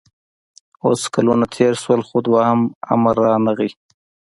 اوس کلونه تېر شول خو دویم امر رانغی